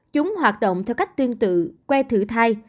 chúng hoạt động theo cách tương tự que thử thai